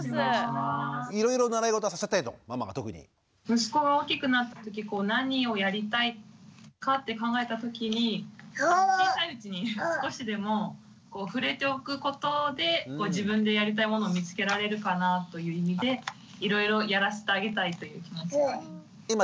息子が大きくなった時何をやりたいかって考えた時に小さいうちに少しでも触れておくことで自分でやりたいものを見つけられるかなという意味でいろいろやらせてあげたいという気持ちがあります。